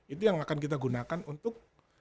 itu yang akan kita gunakan untuk